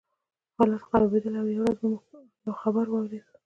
حالات خرابېدل او یوه ورځ موږ یو خبر واورېد